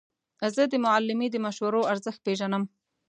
زه د معلمې د مشورو ارزښت پېژنم.